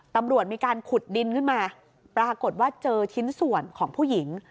ตำรวจมีการขุดดินขึ้นมาปรากฏว่าเจอชิ้นส่วนของผู้หญิง